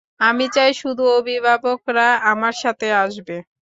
আমি চাই শুধু অভিভাবকরা আমার সাথে আসবে।